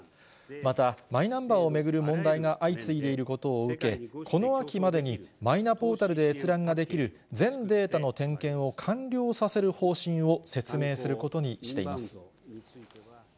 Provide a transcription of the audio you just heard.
またマイナンバーを巡る問題が相次いでいることを受け、この秋までにマイナポータルで閲覧ができる全データの点検を完了させる方針を説明することにしています。